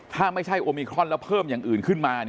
ถ้าไม่ใช่โอมิครอนแล้วเพิ่มอย่างอื่นขึ้นมา